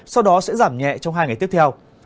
sau đó sẽ giảm nhẹ trong hai ngày tiếp theo